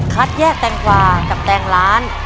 คัดแยกแตงกวากับแตงล้าน